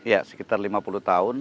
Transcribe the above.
ya sekitar lima puluh tahun